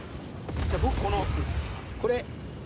じゃあ僕このこれ。